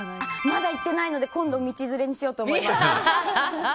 まだ行ってないので今度道連れにしようと思います！